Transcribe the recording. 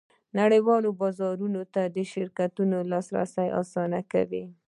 نړیوالو بازارونو ته د شرکتونو لاسرسی اسانه کوي